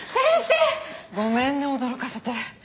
ごめんね驚かせて。